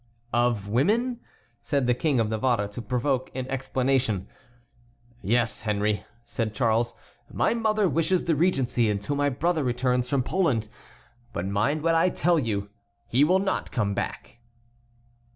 "Of women?" said the King of Navarre to provoke an explanation. "Yes, Henry," said Charles, "my mother wishes the regency until my brother returns from Poland. But mind what I tell you, he will not come back."